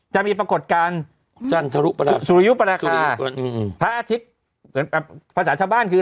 จะมีปรากฏการณ์สุริยุปรากฏพระอาทิตย์ภาษาชาวบ้านคือ